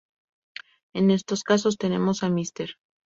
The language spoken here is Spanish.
En estos casos tenemos a Mr.